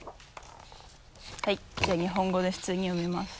はいじゃあ日本語で普通に読みます。